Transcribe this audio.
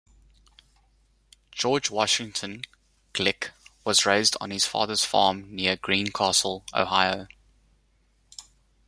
George Washington Glick was raised on his father's farm near Greencastle, Ohio.